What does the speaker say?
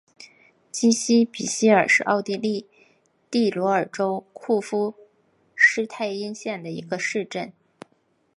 基希比希尔是奥地利蒂罗尔州库夫施泰因县的一个市镇。